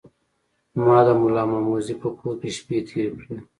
ما د ملامموزي په کور کې شپې تیرې کړې.